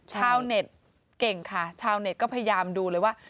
ชาวเน็ตเก่งค่ะชาวเน็ตก็พยายามดูเลยว่า